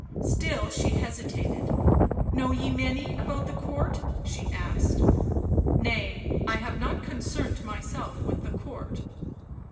Still she hesitated. " Know ye many about the Court ?" she asked. li Nay, I have not concerned myself with the Court."